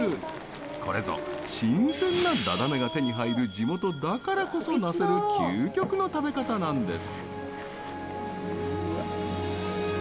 これぞ、新鮮なダダメが手に入る地元だからこそ成せる究極の食べ方なんです。